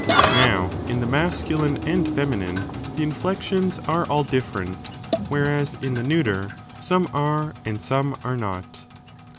Now in the masculine and feminine the inflections are all different, whereas in the neuter some are and some are not.